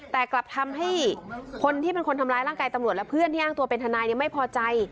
แต่กลับทำให้คนที่เป็นคนทำร้ายร่างกายตำรวจและเพื่อนที่อ้างตัวเป็นทนายไม่พอใจ